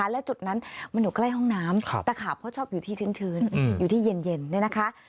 และจุดนั้นมันอยู่ใกล้ห้องน้ำตะขาบเขาชอบอยู่ที่ชื้นอยู่ที่เย็นเนี่ยนะคะ